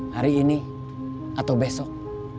hari ini atau besok